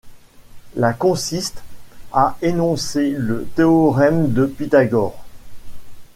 La consiste à énoncer le théorème de Pythagore.